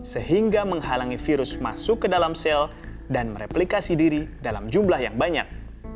sehingga menghalangi virus masuk ke dalam sel dan mereplikasi diri dalam jumlah yang banyak